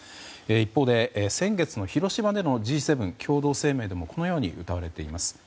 一方で先月の広島でのＧ７共同声明でもこのようにうたわれています。